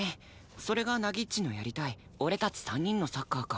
それが凪っちのやりたい俺たち３人のサッカーか。